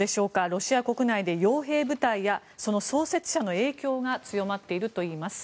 ロシア国内で傭兵部隊やその創設者の影響が影響が強まっているといいます。